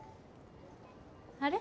あれ？